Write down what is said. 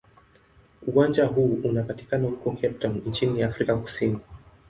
Uwanja huu unapatikana huko Cape Town nchini Afrika Kusini.